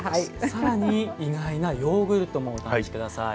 更に意外なヨーグルトもお試し下さい。